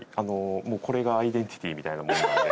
もうこれがアイデンティティーみたいなものなので。